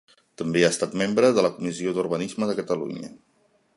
També ha estat membre de la Comissió d'Urbanisme de Catalunya.